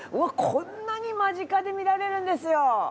こんなに間近で見られるんですよ！